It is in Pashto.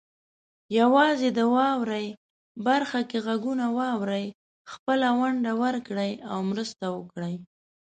یوازې د "واورئ" برخه کې غږونه واورئ، خپله ونډه ورکړئ او مرسته وکړئ.